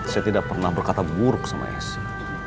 saya tidak pernah berkata buruk sama esi